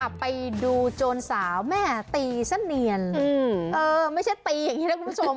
ไปดูโจรสาวแม่ตีซะเนียนไม่ใช่ตีอย่างนี้นะคุณผู้ชม